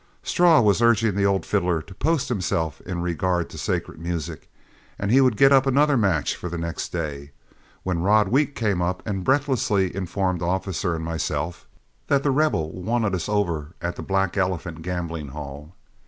Straw was urging the old fiddler to post himself in regard to sacred music, and he would get up another match for the next day, when Rod Wheat came up and breathlessly informed Officer and myself that The Rebel wanted us over at the Black Elephant gambling hall.